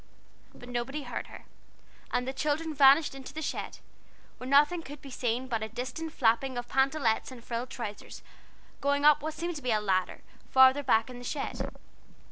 But nobody heard her, and the children vanished into the shed, where nothing could be seen but a distant flapping of pantalettes and frilled trousers, going up what seemed to be a ladder, farther back in the shed.